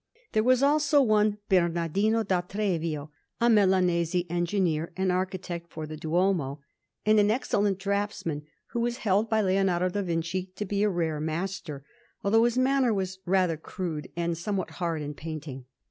There was also one Bernardino da Trevio, a Milanese, engineer and architect for the Duomo, and an excellent draughtsman, who was held by Leonardo da Vinci to be a rare master, although his manner was rather crude and somewhat hard in painting.